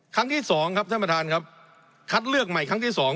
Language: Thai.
ครั้งที่สองครับท่านประธานครับคัดเลือกใหม่ครั้งที่สอง